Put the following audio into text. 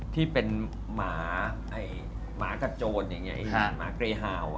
ที่เป็นหมาหมากับโจรอย่างนี้หมาเกรฮาว